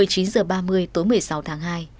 một mươi chín h ba mươi tối một mươi sáu tháng hai